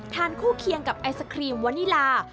คู่เคียงกับไอศครีมวานิลา